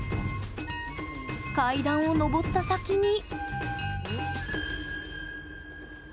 階段を上った先に。